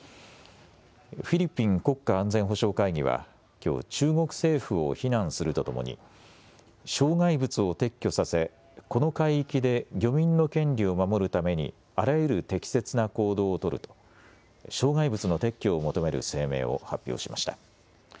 フィリピン国家安全保障会議はきょう中国政府を非難するとともに障害物を撤去させ、この海域で漁民の権利を守るためにあらゆる適切な行動を取ると障害物の撤去を求める声明を発表しました。